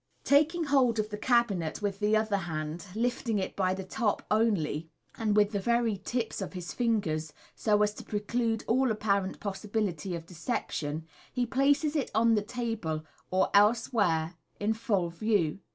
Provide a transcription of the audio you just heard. Taking hold of the cabinet with the other hand (lifting it by the top only, and with the verv tips of his fingers, so as to preclude all apparent possibility of deception), he places it on the table or elsewhere, in full view.